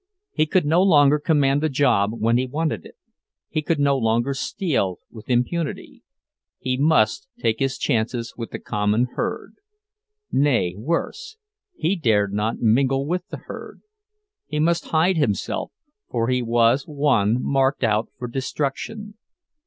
He could no longer command a job when he wanted it; he could no longer steal with impunity—he must take his chances with the common herd. Nay worse, he dared not mingle with the herd—he must hide himself, for he was one marked out for destruction.